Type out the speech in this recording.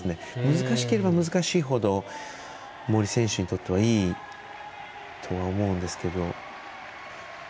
難しければ難しいほど森選手にとってはいいとは思うんですけど。